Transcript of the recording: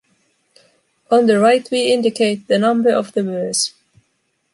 On the right we indicate the number of the verse.